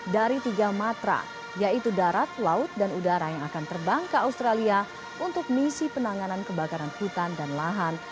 dari tiga matra yaitu darat laut dan udara yang akan terbang ke australia untuk misi penanganan kebakaran hutan dan lahan